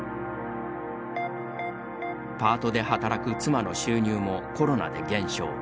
パー卜で働く妻の収入もコロナで減少。